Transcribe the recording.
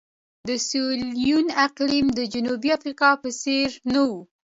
د سیریلیون اقلیم د جنوبي افریقا په څېر نه وو.